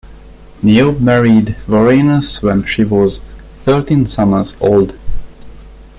Niobe married Vorenus when she was "thirteen summers" old.